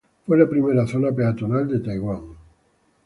Fue la primera zona peatonal de Taiwán.